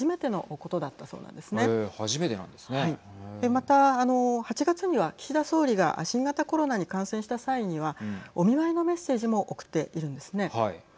また、８月には岸田総理が新型コロナに感染した際にはお見舞いのメッセージも送っているんですね。